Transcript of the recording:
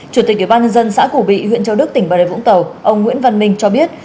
chủ tịch ủy ban nhân dân xã cổ bị huyện châu đức tỉnh bà rệ vũng tàu ông nguyễn văn minh cho biết